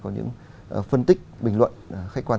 có những phân tích bình luận khách quan